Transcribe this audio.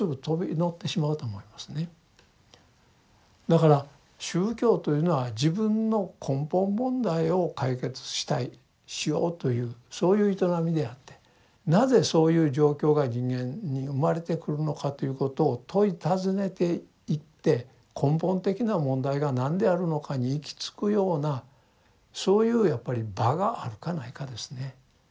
だから宗教というのは自分の根本問題を解決したいしようというそういう営みであってなぜそういう状況が人間に生まれてくるのかということを問い尋ねていって根本的な問題が何であるのかに行き着くようなそういうやっぱり場があるかないかですね。